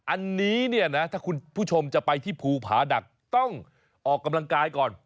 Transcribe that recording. อันนี้เนี่ยนะถ้าคุณผู้ชมจะไปที่ภูผาดักต้องออกกำลังกายก่อน